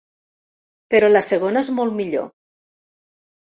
Però la segona és molt millor.